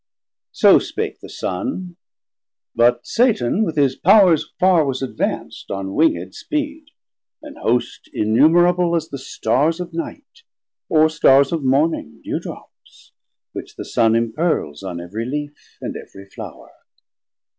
So spake the Son, but Satan with his Powers 740 Farr was advanc't on winged speed, an Host Innumerable as the Starrs of Night, Or Starrs of Morning, Dew drops, which the Sun Impearls on every leaf and every flouer.